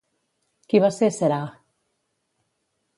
Qui va ser Sèrah?